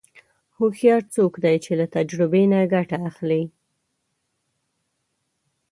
هوښیار څوک دی چې له تجربې نه ګټه اخلي.